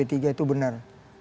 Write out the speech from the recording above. p tiga itu benar